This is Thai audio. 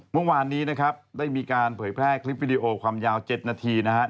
เมื่อวานนี้นะครับได้มีการเผยแพร่คลิปวิดีโอความยาว๗นาทีนะครับ